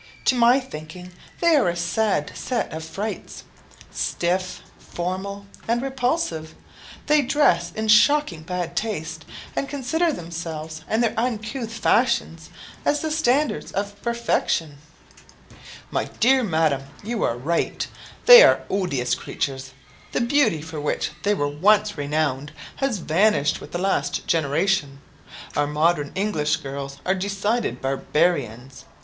To my thinking, they are a sad set of frights. Stiff, formal, and repulsive, they dress in shocking bad taste, and consider themselves and their uncouth fashions as the standards of perfection." "My dear madam, you are right. They are odious creatures. The beauty for which they were once renowned has vanished with the last generation. Our modern English girls are decided barbarians.